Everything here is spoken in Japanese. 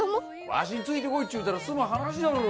わしについて来いっちゅうたら済む話じゃろ。